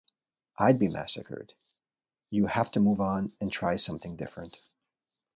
I'd be massacred. You have to move on and try something different.